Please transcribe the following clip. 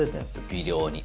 微量に。